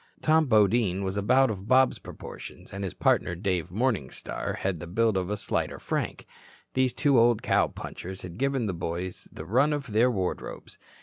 Tom Bodine was about of Bob's proportions, and his partner Dave Morningstar had the build of the slighter Frank. These two old cow punchers had given the boys the run of their wardrobes.